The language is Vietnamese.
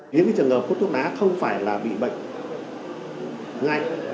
những trường hợp hút thuốc lá không phải là bị bệnh ngay